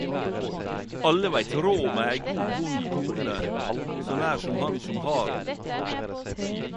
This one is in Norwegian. Alle veit råd med ei vond kone så nær som han som har ho